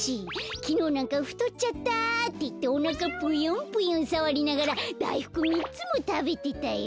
きのうなんか「ふとっちゃった」っていっておなかぷよんぷよんさわりながらだいふく３つもたべてたよ。